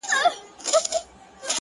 تر بچیو گوله نه سي رسولای؛